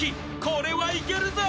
［これはいけるぞ］